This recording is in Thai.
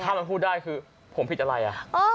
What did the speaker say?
ถ้ามันพูดได้คือผมผิดอะไร